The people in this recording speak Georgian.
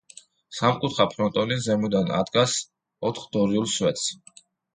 სამკუთხა ფრონტონი ზემოდან ადგას ოთხ დორიულ სვეტს.